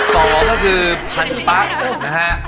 ก็คือพันปั๊กนะฮะ